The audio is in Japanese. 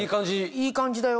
いい感じだよ。